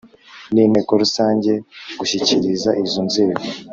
n Inteko Rusange gushyikiriza izo nzego